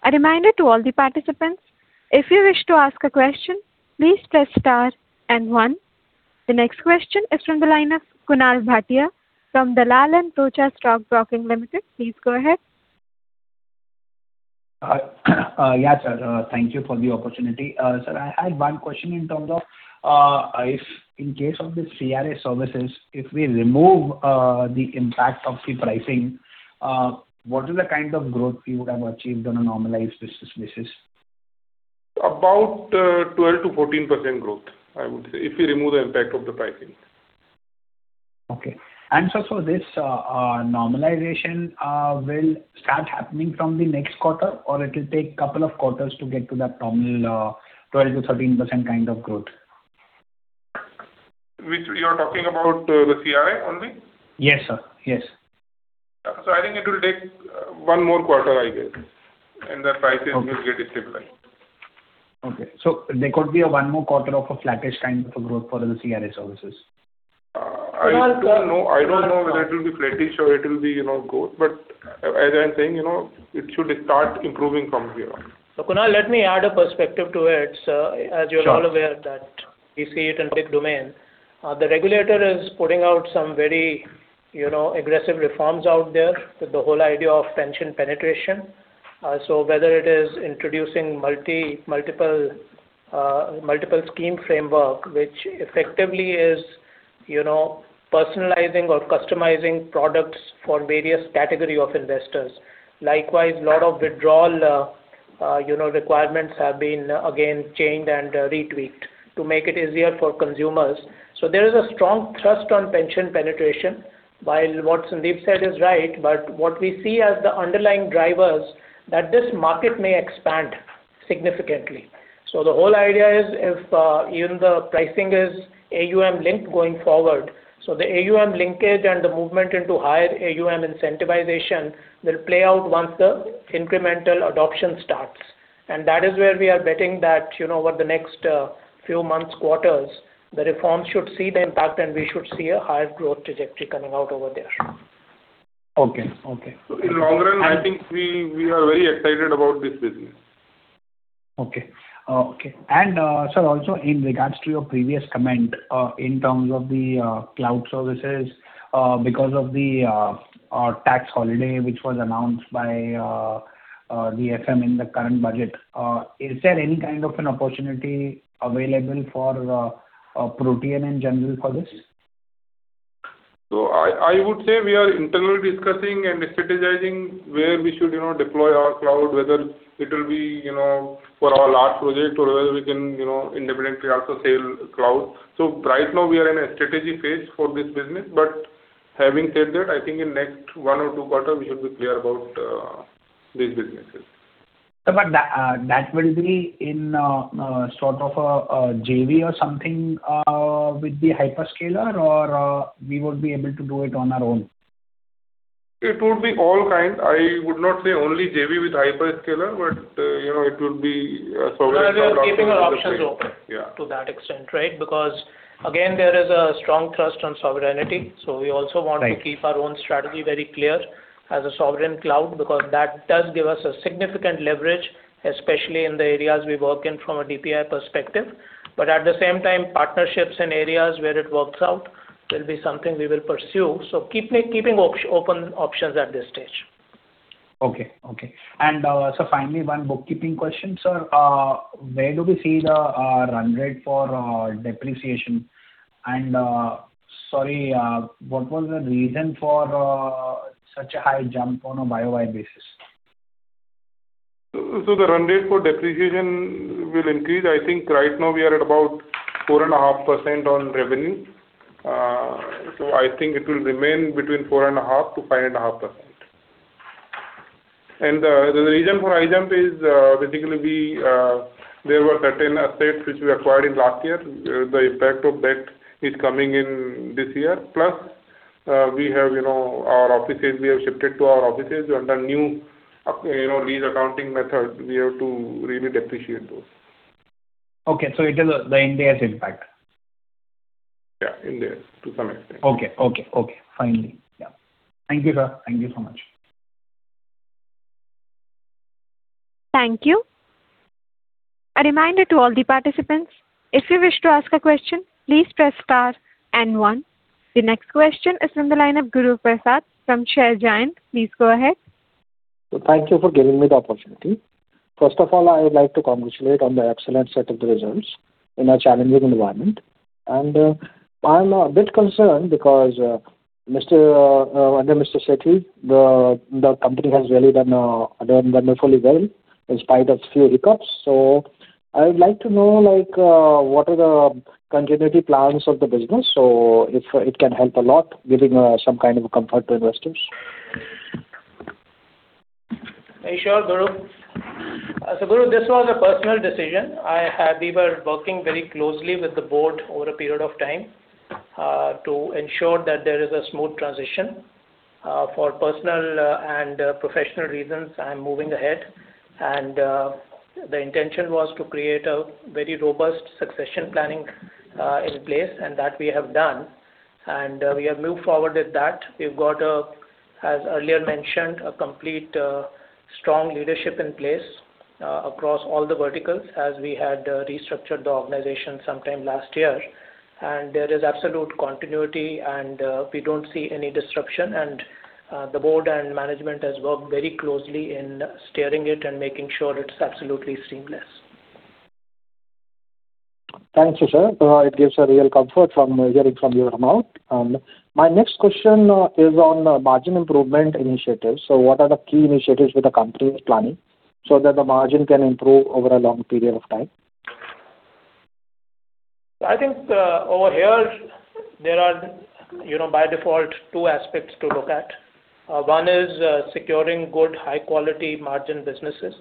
A reminder to all the participants, if you wish to ask a question, please press star and one. The next question is from the line of Kunal Bhatia from Dalal and Broacha Stock Broking Limited. Please go ahead. Yeah, sir. Thank you for the opportunity. Sir, I had one question in terms of if in case of the CRA services, if we remove the impact of the pricing, what is the kind of growth we would have achieved on a normalized business basis? About 12%-14% growth, I would say, if we remove the impact of the pricing. Okay. And so, so this normalization will start happening from the next quarter, or it will take couple of quarters to get to that normal 12%-13% kind of growth? Which you are talking about, the CRA only? Yes, sir. Yes. I think it will take one more quarter, I guess, and the pricing will get stabilized. Okay. So there could be a one more quarter of a flattish kind of a growth for the CRA services? I don't know, I don't know whether it will be flattish or it will be, you know, growth, but as I'm saying, you know, it should start improving from here on. Kunal, let me add a perspective to it, sir. Sure. As you're all aware that we see it in public domain. The regulator is putting out some very, you know, aggressive reforms out there, with the whole idea of pension penetration. So whether it is introducing multiple scheme framework, which effectively is, you know, personalizing or customizing products for various category of investors. Likewise, lot of withdrawal, you know, requirements have been again changed and retweaked to make it easier for consumers. So there is a strong thrust on pension penetration. While what Sandeep said is right, but what we see as the underlying drivers, that this market may expand significantly. So the whole idea is, if even the pricing is AUM-linked going forward, so the AUM linkage and the movement into higher AUM incentivization will play out once the incremental adoption starts. That is where we are betting that, you know, over the next few months, quarters, the reforms should see the impact, and we should see a higher growth trajectory coming out over there. Okay. Okay. In the long run, I think we are very excited about this business. Okay. Okay. And, sir, also in regards to your previous comment, in terms of the, cloud services, because of the, tax holiday, which was announced by, the FM in the current budget, is there any kind of an opportunity available for, Protean in general for this? So I would say we are internally discussing and strategizing where we should, you know, deploy our cloud, whether it will be, you know, for our large project, or whether we can, you know, independently also sell cloud. So right now we are in a strategy phase for this business, but having said that, I think in next one or two quarter, we should be clear about these businesses. But that will be in sort of a JV or something with the hyperscaler or we would be able to do it on our own? It would be all kinds. I would not say only JV with hyperscaler, but, you know, it would be a sovereign cloud- We are keeping our options open- Yeah. To that extent, right? Because again, there is a strong thrust on sovereignty, so we also want— Right... to keep our own strategy very clear as a sovereign cloud, because that does give us a significant leverage, especially in the areas we work in from a DPI perspective. But at the same time, partnerships in areas where it works out will be something we will pursue. So keeping open options at this stage. Okay, okay. So finally, one bookkeeping question, sir. Where do we see the run rate for depreciation? And sorry, what was the reason for such a high jump on a YoY basis? So the run rate for depreciation will increase. I think right now we are at about 4.5% on revenue. So I think it will remain between 4.5%-5.5%. And the reason for high jump is, basically we, there were certain assets which we acquired in last year. The impact of that is coming in this year. Plus, we have, you know, our offices, we have shifted to our offices. Under new, you know, lease accounting method, we have to redo depreciate those. Okay, so it is the India's impact? Yeah, India's to some extent. Okay, okay, okay. Finally. Yeah. Thank you, sir. Thank you so much. Thank you. A reminder to all the participants, if you wish to ask a question, please press star and one. The next question is from the line of Guru Prasad from Sharekhan. Please go ahead. So thank you for giving me the opportunity. First of all, I would like to congratulate on the excellent set of the results in a challenging environment. And, I'm a bit concerned because, under Mr. Sethi, the company has really done wonderfully well in spite of few hiccups. So I would like to know, like, what are the continuity plans of the business. So if it can help a lot, giving some kind of a comfort to investors. Sure, Guru. So Guru, this was a personal decision. I had—we were working very closely with the board over a period of time to ensure that there is a smooth transition. For personal and professional reasons, I'm moving ahead, and the intention was to create a very robust succession planning in place, and that we have done. And we have moved forward with that. We've got, as earlier mentioned, a complete strong leadership in place across all the verticals as we had restructured the organization sometime last year. And there is absolute continuity, and we don't see any disruption. And the board and management has worked very closely in steering it and making sure it's absolutely seamless. Thank you, sir. It gives a real comfort from hearing from your mouth. My next question is on the margin improvement initiatives. What are the key initiatives with the company's planning so that the margin can improve over a long period of time? I think, over here, there are, you know, by default, two aspects to look at. One is securing good, high-quality margin businesses.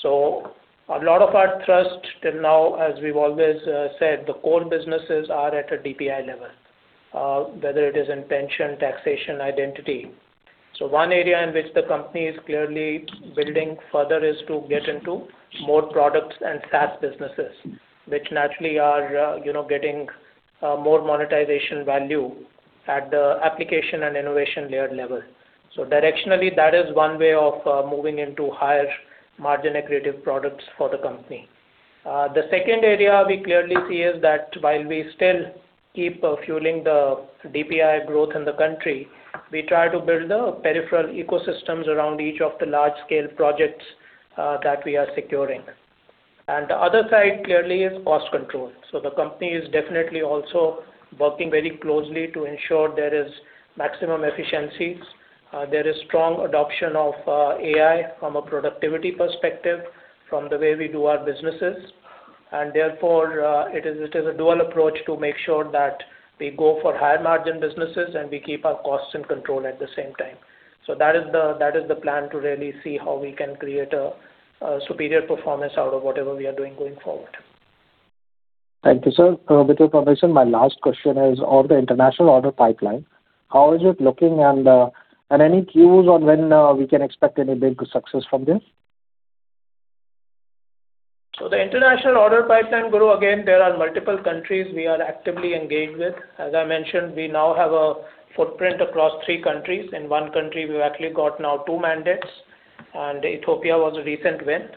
So a lot of our thrust till now, as we've always said, the core businesses are at a DPI level, whether it is in pension, taxation, identity. So one area in which the company is clearly building further is to get into more products and SaaS businesses, which naturally are, you know, getting more monetization value at the application and innovation layer level. So directionally, that is one way of moving into higher margin accretive products for the company. The second area we clearly see is that while we still keep fueling the DPI growth in the country, we try to build the peripheral ecosystems around each of the large-scale projects that we are securing. The other side, clearly, is cost control. So the company is definitely also working very closely to ensure there is maximum efficiencies. There is strong adoption of AI from a productivity perspective, from the way we do our businesses. And therefore, it is a dual approach to make sure that we go for higher margin businesses, and we keep our costs in control at the same time. So that is the plan to really see how we can create a superior performance out of whatever we are doing going forward. Thank you, sir. With your permission, my last question is on the international order pipeline. How is it looking, and any clues on when we can expect any big success from this? So the international order pipeline, Guru, again, there are multiple countries we are actively engaged with. As I mentioned, we now have a footprint across three countries. In one country, we've actually got now two mandates, and Ethiopia was a recent win.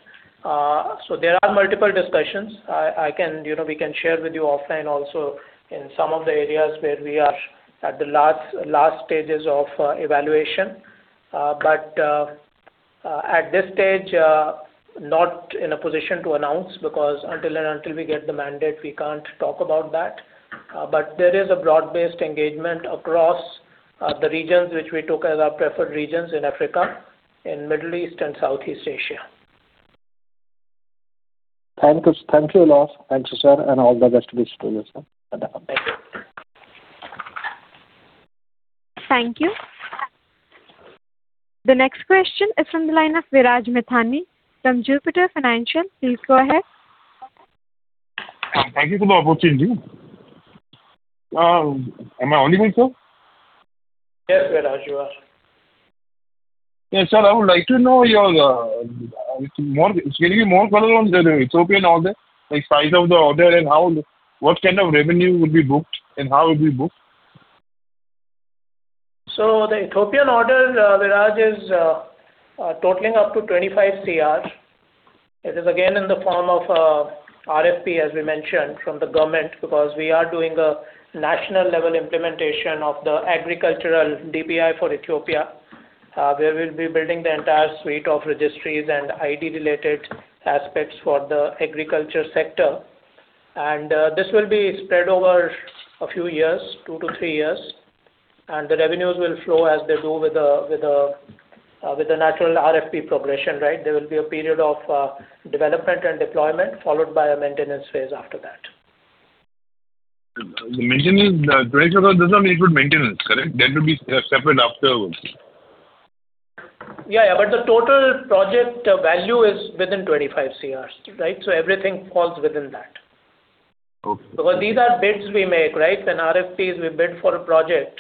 So there are multiple discussions. I can, you know, we can share with you offline also in some of the areas where we are at the last stages of evaluation. But at this stage, not in a position to announce, because until we get the mandate, we can't talk about that. But there is a broad-based engagement across the regions which we took as our preferred regions in Africa, in Middle East and Southeast Asia. Thank you. Thank you a lot. Thank you, sir, and all the best wishes to you, sir. Thank you. Thank you. The next question is from the line of Viraj Methani from Jupiter Financial. Please go ahead. Thank you for the opportunity. Am I audible, sir? Yes, Viraj, you are. Yeah, sir, I would like to know more. Can you give me more color on the Ethiopian order, like, size of the order and how, what kind of revenue would be booked and how it will be booked? So the Ethiopian order, Viraj, is totaling up to 25 crore. It is again in the form of a RFP, as we mentioned, from the government, because we are doing a national-level implementation of the agricultural DPI for Ethiopia, where we'll be building the entire suite of registries and ID-related aspects for the agriculture sector. And this will be spread over a few years, two to three years, and the revenues will flow as they do with a natural RFP progression, right? There will be a period of development and deployment, followed by a maintenance phase after that. The maintenance does not include maintenance, correct? That will be separate after. Yeah, yeah, but the total project value is within 25 crore, right? So everything falls within that. Okay. Because these are bids we make, right? When RFPs, we bid for a project,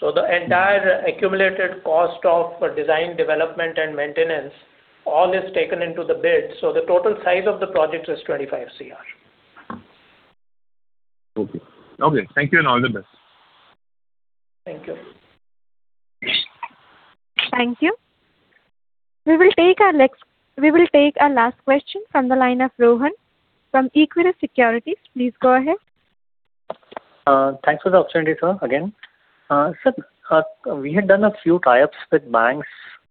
so the entire accumulated cost of design, development, and maintenance, all is taken into the bid. So the total size of the project is 25 crore. Okay. Okay, thank you, and all the best. Thank you. Thank you. We will take our next, we will take our last question from the line of Rohan from Equirus Securities. Please go ahead. Thanks for the opportunity, sir, again. Sir, we had done a few tie-ups with banks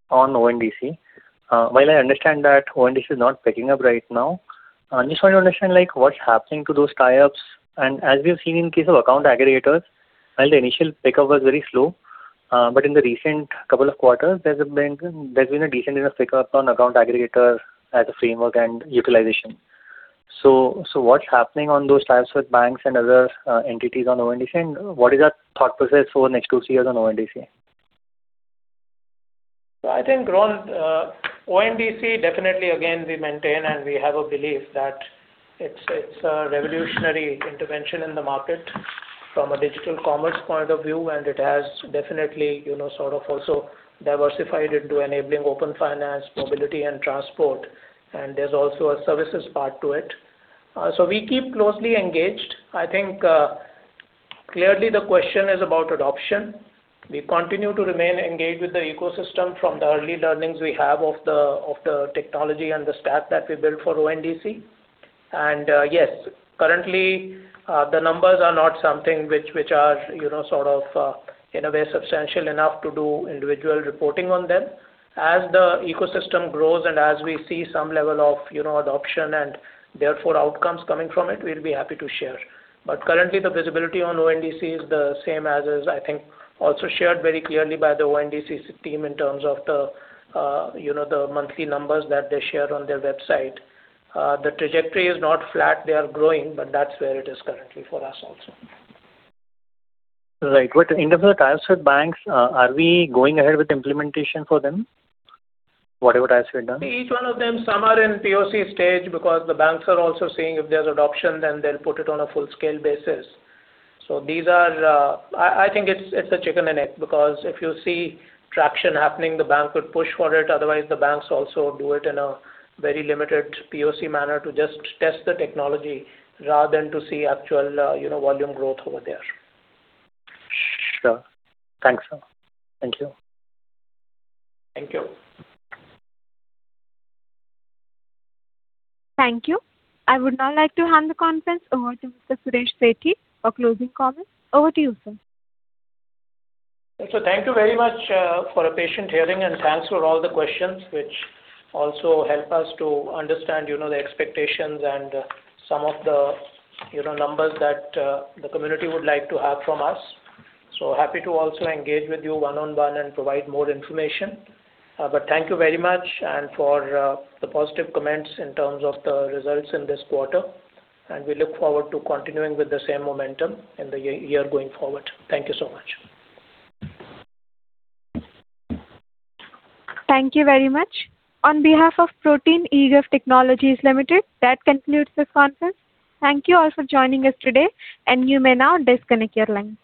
on ONDC. While I understand that ONDC is not picking up right now, I just want to understand, like, what's happening to those tie-ups. As we've seen in case of account aggregators, while the initial pickup was very slow, but in the recent couple of quarters, there's been a decent enough pickup on account aggregator as a framework and utilization. So what's happening on those tie-ups with banks and other entities on ONDC, and what is our thought process for next two, three years on ONDC? I think, Rohan, ONDC, definitely, again, we maintain and we have a belief that it's, it's a revolutionary intervention in the market from a digital commerce point of view, and it has definitely, you know, sort of also diversified into enabling open finance, mobility, and transport. There's also a services part to it. So we keep closely engaged. I think, clearly the question is about adoption. We continue to remain engaged with the ecosystem from the early learnings we have of the, of the technology and the stack that we built for ONDC. And, yes, currently, the numbers are not something which, which are, you know, sort of, in a way, substantial enough to do individual reporting on them. As the ecosystem grows and as we see some level of, you know, adoption and therefore outcomes coming from it, we'll be happy to share. But currently, the visibility on ONDC is the same as is, I think, also shared very clearly by the ONDC team in terms of the, you know, the monthly numbers that they share on their website. The trajectory is not flat, they are growing, but that's where it is currently for us also. Right. But in terms of the tie-ups with banks, are we going ahead with implementation for them? Whatever tie-ups we've done. Each one of them, some are in POC stage, because the banks are also seeing if there's adoption, then they'll put it on a full-scale basis. So these are, I think it's a chicken and egg, because if you see traction happening, the bank would push for it. Otherwise, the banks also do it in a very limited POC manner to just test the technology rather than to see actual, you know, volume growth over there. Sure. Thanks, sir. Thank you. Thank you. Thank you. I would now like to hand the conference over to Mr. Suresh Sethi for closing comments. Over to you, sir. So thank you very much for a patient hearing, and thanks for all the questions, which also help us to understand, you know, the expectations and some of the, you know, numbers that the community would like to have from us. So happy to also engage with you one-on-one and provide more information. But thank you very much, and for the positive comments in terms of the results in this quarter, and we look forward to continuing with the same momentum in the year going forward. Thank you so much. Thank you very much. On behalf of Protean eGov Technologies Limited, that concludes this conference. Thank you all for joining us today, and you may now disconnect your lines.